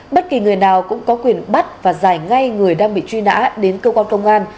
bất kỳ người nào cũng có quyền bắt và giải ngay người đang bị truy nã đến cơ quan công an